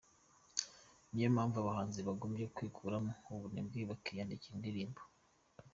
Ni yo mpamvu abahanzi bagombye kwikuramo ubunebwe bakiyandikira indirimbo.